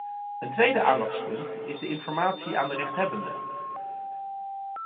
Een tweede aandachtspunt is de informatie aan de rechthebbende.